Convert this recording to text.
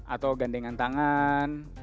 atau gandengan tangan